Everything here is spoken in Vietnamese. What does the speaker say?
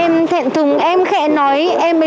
em thẹn thùng em khẽ nói